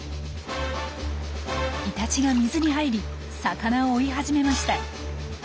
イタチが水に入り魚を追い始めました。